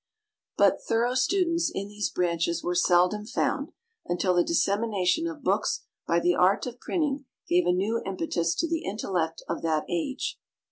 But thorough students in these branches were seldom found, until the dissemination of books by the art of printing gave a new impetus to the intellect of that age.